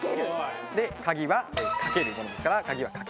で鍵は掛けるものですから鍵は×。